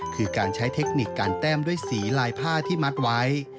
คือการใช้เทคนิคการแต้มด้วยสีลายผ้าที่มัดไว้